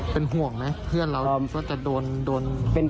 เป็นห่วงมั้ยเพื่อนเราเวลาโดนเช็คจินต่อ